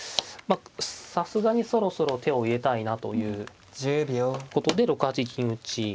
さすがにそろそろ手を入れたいなということで６八銀打はい。